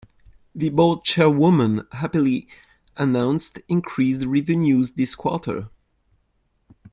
The board chairwoman happily announced increased revenues this quarter.